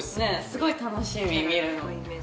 すごい楽しみ見るの。